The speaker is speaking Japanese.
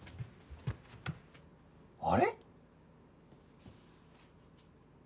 あれ？